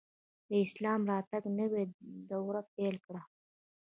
د اسلام راتګ نوی دور پیل کړ